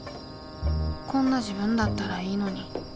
こんな自分だったらいいのに。